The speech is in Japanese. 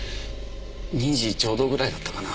２時ちょうどぐらいだったかな？